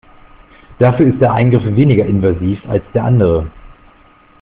Dafür ist der Eingriff weniger invasiv als der andere.